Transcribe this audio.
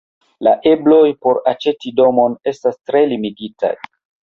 La ebloj por aĉeti domon estas tre limigitaj.